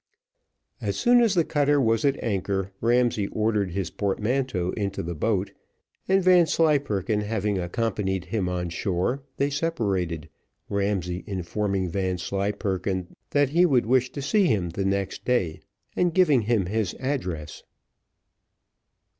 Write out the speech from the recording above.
As soon as the cutter was at anchor, Ramsay ordered his portmanteau into the boat, and Vanslyperken having accompanied him on shore, they separated, Ramsay informing Vanslyperken that he would wish to see him the next day, and giving him his address.